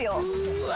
うわ！